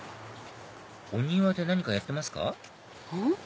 お庭で何かやってますか？